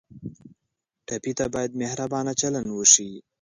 ټپي ته باید مهربانه چلند وشي.